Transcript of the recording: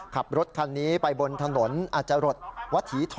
ขับรถคันนี้ไปบนถนนอาจจะหลดวัฒีถอ